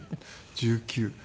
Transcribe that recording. １９。